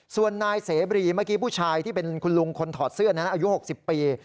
ส่วนนายเสบรีเมื่อกี้ผู้ชายที่เป็นคุณลุงคนถอดเสื้อนั้นอายุ๖๐ปี